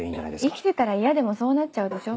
生きてたら嫌でもそうなっちゃうでしょ。